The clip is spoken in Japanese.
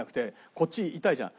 こっち痛いじゃん。